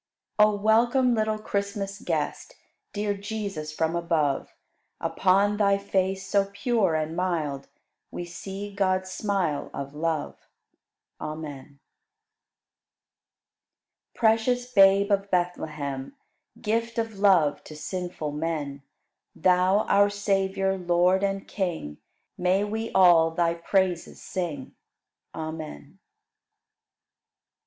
99. O welcome, little Christmas Guest, Dear Jesus, from above; Upon Thy face, so pure and mild, We see God's smile of love. Amen. 100. Precious Babe of Bethlehem, Gift of love to sinful men, Thou, our Savior, Lord, and King May we all Thy praises sing! Amen.